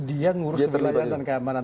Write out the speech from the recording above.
dia ngurus kebilayan dan keamanan